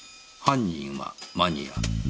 犯人はマニア。